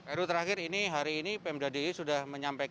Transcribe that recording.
eru terakhir ini hari ini pm dade sudah menyampaikan